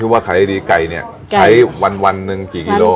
คิดว่าขายดีไก่เวลาแต่วันปีนึงิกก็ได้กี่โลกรัม